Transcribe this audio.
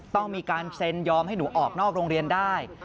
ต้องมีการเซ็นยอมให้หนูออกนอกโรงเรียนได้